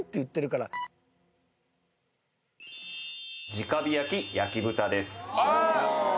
直火焼焼豚です。